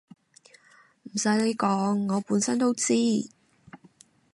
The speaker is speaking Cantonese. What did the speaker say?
唔洗你講我本身都知